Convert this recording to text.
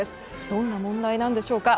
どんな問題なんでしょうか。